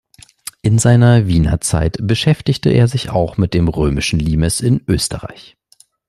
In seiner Wiener Zeit beschäftigte er sich auch mit dem römischen Limes in Österreich.